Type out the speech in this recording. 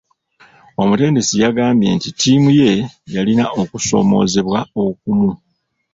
Omutendesi yagambye nti ttiimu ye yalina okusoomoozebwa okumu.